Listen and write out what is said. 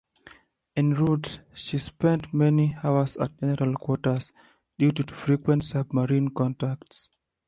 En route, she spent many hours at general quarters due to frequent submarine contacts.